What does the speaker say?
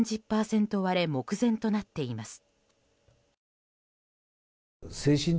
割れ目前となっています。